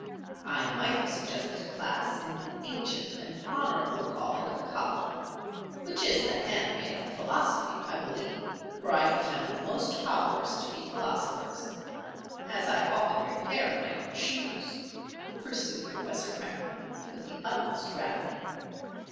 "I might have suggested a class in the ancient and honorable calling of cobbling (which is the handmaid of Philosophy, I believe, for I have found most cobblers to be philosophers) as I often repair my own shoes," pursued Professor Krenner, with the utmost gravity.